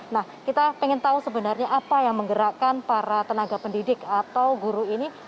nah kita ingin tahu sebenarnya apa yang menggerakkan para tenaga pendidik atau guru ini